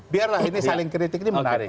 biarlah ini saling kritik ini menarik